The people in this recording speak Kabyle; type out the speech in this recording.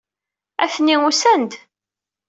Atni usan-d.